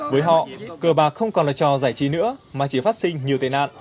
với họ cờ bạc không còn là trò giải trí nữa mà chỉ phát sinh nhiều tệ nạn